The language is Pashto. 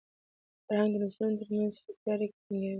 فرهنګ د نسلونو تر منځ فکري اړیکه ټینګوي.